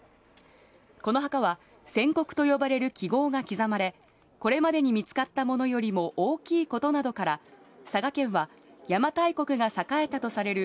この墓は線刻と呼ばれる記号が刻まれ、これまでに見つかったものよりも大きいことなどから、佐賀県は、邪馬台国が栄えたとされる